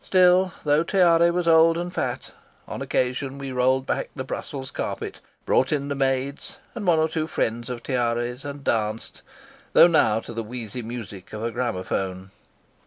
Still, though Tiare was old and fat, on occasion we rolled back the Brussels carpet, brought in the maids and one or two friends of Tiare's, and danced, though now to the wheezy music of a gramaphone.